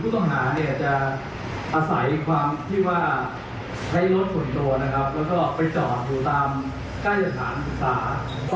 แต่ปรากฏว่าที่คืนที่๒เขาก็พาไปใต้สะพานทางพีตครับ